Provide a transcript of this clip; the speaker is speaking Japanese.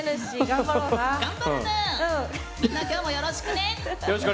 みんな、今日もよろしくね。